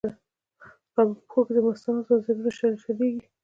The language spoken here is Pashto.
لاپه پښو کی دمستانو، ځنځیرونه سره شلیږی